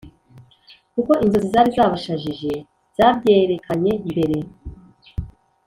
kuko inzozi zari zabashajije zabyerekanye mbere,